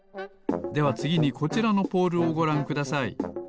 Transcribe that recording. ではつぎにこちらのポールをごらんください。